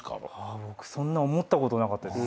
あ僕そんな思ったことなかったです。